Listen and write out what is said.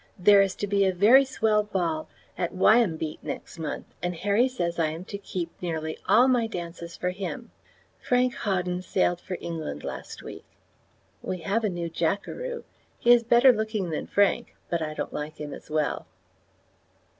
There is to be a very swell ball at Wyambeet next month, and Harry says I am to keep nearly all my dances for him. Frank Hawden sailed for England last week. We have a new jackeroo. He is better looking than Frank, but I don't like him as well.